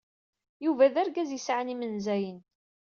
Yuba d argaz yesɛan imenzayen.